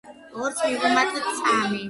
ორს მივუმატოთ სამი.